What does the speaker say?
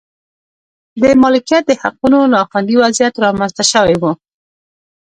د مالکیت د حقونو نا خوندي وضعیت رامنځته شوی و.